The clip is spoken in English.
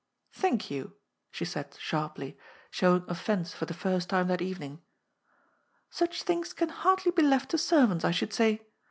^' Thank you," she said sharply, showing offence for the first time that evening. "' Such things can hardly be left to servants, I should say.